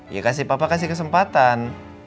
ini papa kasih kesempatan